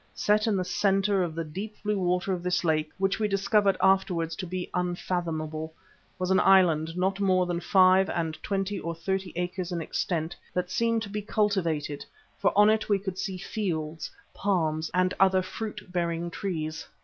Set in the centre of the deep blue water of this lake, which we discovered afterwards to be unfathomable, was an island not more than five and twenty or thirty acres in extent, that seemed to be cultivated, for on it we could see fields, palms and other fruit bearing trees.